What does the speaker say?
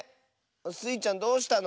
スイちゃんどうしたの？